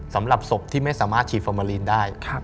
สำหรับศพที่ไม่สามารถฉีดฟอร์มาลีนได้